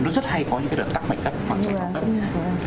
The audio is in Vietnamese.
nó rất hay có những cái đợt tắc bệnh cấp hoặc trận bỏ cấp